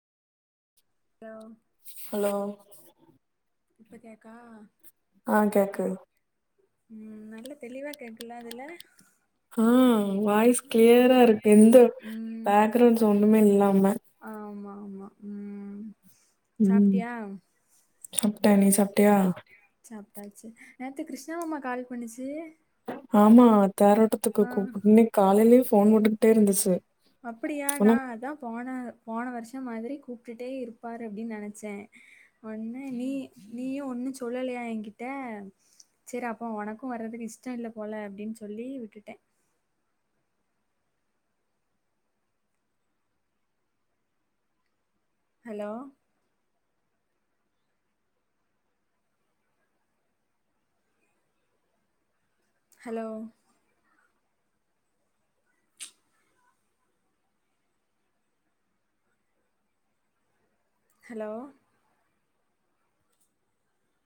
row hello இப்ப கேக்கா ஆ கேக்கு ம் நல்லா தெளிவா கேக்குல அதுல அ வாய்ஸ் க்ளியரா இருக்கு எந்த ம் பேக்ரவுண்ட் சவுண்டுமே இல்லாம ஆமா ஆமா ம் ம் சாப்ட்டியா சாப்ட்ட நீ சாப்ட்டியா சாப்ட்டாச்சு நேத்து கிருஷ்ணா மாமா கால் பண்ணுச்சு ஆமா தேரோட்டத்துக்கு ஆ கூப்புன்னே இன்னிக் காலையே ஃபோன் போட்டுக்கிட்டே இருந்துச்சு அப்படியா நா ஆனா அதா போன போன வருஷம் மாதிரி கூப்டுட்டே இருப்பாரு அப்டின் நெனச்சே ஒன்னு நீ நீயு ஒண்ணு சொல்லலையா எங்கிட்ட செரி அப்போ உனக்கு வர்றதுக்கு இஷ்ட இல்ல போல அப்டின் சொல்லி உட்டுட்டே ஹலோ ஹலோ ஹலோ